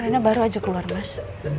akhirnya baru aja keluar mas